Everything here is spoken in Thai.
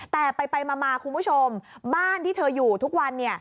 แต่ไปมาคุณผู้ชมบ้านที่เธออยู่ทุกวัน